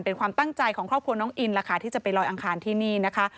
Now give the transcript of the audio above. เป็นความตั้งใจของครอบครัวน้องอินล่ะค่ะที่จะไปลอยอังคารที่นี่นะคะ